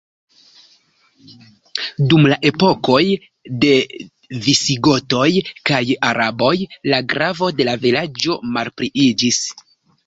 Dum la epokoj de visigotoj kaj araboj, la gravo de la vilaĝo malpliiĝis.